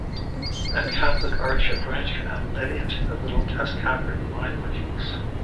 At Cathedral Arch a branch canal led into the Little Tess Cavern mine workings.